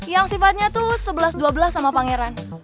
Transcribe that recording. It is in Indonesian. yang sifatnya tuh sebelas dua belas sama pangeran